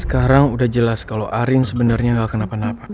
sekarang udah jelas kalau arin sebenarnya gak kenapa napa